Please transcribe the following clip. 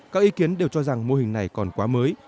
các ý kiến đều cho rằng mô hình này còn quá mới